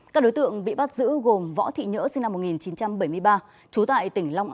các đối tượng bị bắt giữ gồm võ thị nhỡ sinh năm một nghìn chín trăm bảy mươi ba